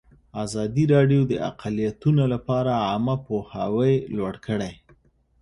ازادي راډیو د اقلیتونه لپاره عامه پوهاوي لوړ کړی.